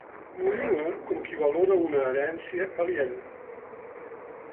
M'ho diuen com qui valora una herència aliena.